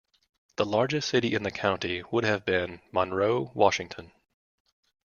The largest city in the county would have been Monroe, Washington.